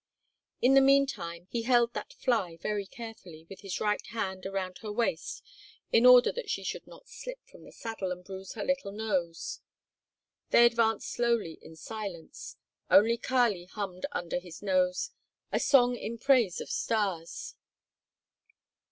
In the meantime he held that "fly" very carefully with his right hand around her waist in order that she should not slip from the saddle and bruise her little nose. They advanced slowly in silence; only Kali hummed under his nose a song in praise of Stas.